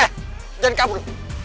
eh jangan kabur